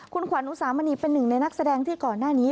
คุณขวัญอุสามณีเป็นหนึ่งในนักแสดงที่ก่อนหน้านี้